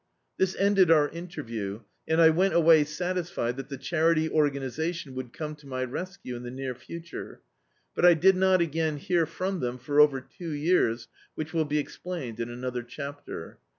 This ended our interview, and I went away satisfied that the Charity O^anisation would come to my rescue in the near future. But I did not again hear from them for over two years, which will be explained in another chapter.